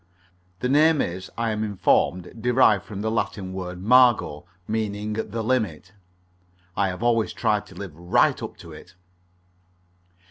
The name is, I am informed, derived from the Latin word margo, meaning the limit. I have always tried to live right up to it.